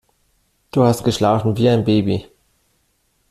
Du hast geschlafen wie ein Baby.